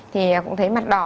thì cũng thấy mặt đỏ